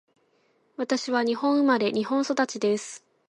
私は日本生まれ、日本育ちです。